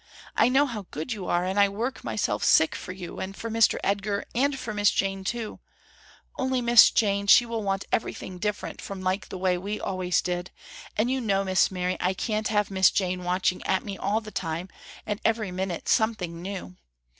I know how good you are and I work myself sick for you and for Mr. Edgar and for Miss Jane too, only Miss Jane she will want everything different from like the way we always did, and you know Miss Mary I can't have Miss Jane watching at me all the time, and every minute something new.